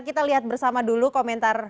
kita lihat bersama dulu komentar